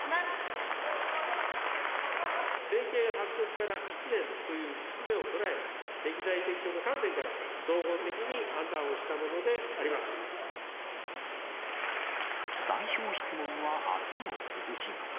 政権発足から１年という節目を捉え、適材適所の観点から、総合的に判断をしたものであります。